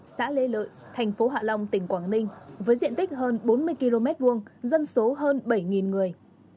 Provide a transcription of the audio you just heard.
xã lê lợi thành phố hạ long tỉnh quảng ninh với diện tích hơn bốn mươi km hai dân số hơn bảy người